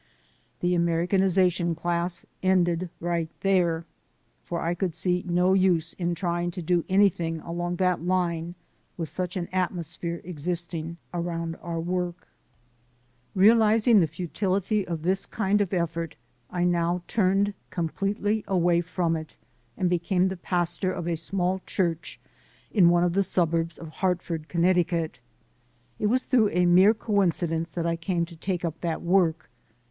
The Americanization class ended right there, for I could see no use in trying to do anything along that line with such an atmosphere existing around our work. STUMBLING BLOCKS 211 Realizing the futility of this kind of effort, I now turned completely away from it and became the pastor of a small church in one of the suburbs of Hartford, Connecticut. It was through a mere coincidence that I came to take up that work.